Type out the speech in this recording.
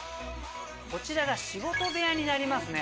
こちらが仕事部屋になりますね。